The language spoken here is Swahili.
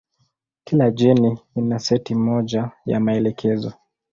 Kila jeni ina seti moja ya maelekezo.